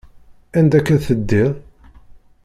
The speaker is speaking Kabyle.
Anda akka teddiḍ?